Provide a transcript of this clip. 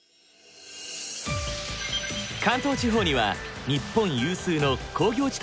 関東地方には日本有数の工業地帯がある。